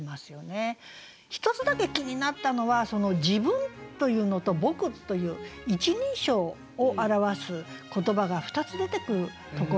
１つだけ気になったのは「自分」というのと「僕」という１人称を表す言葉が２つ出てくるところなんですよね。